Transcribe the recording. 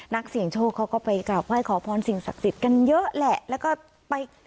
นักเสี่ยงโชคเขาก็ไปกราบไหว้ขอพรสิ่งศักดิ์สิทธิ์กันเยอะแหละแล้วก็ไป